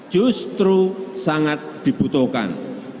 justru sangat dibutuhkan